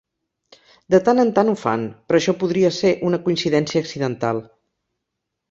De tant en tant ho fan, però això podria ser una coincidència accidental.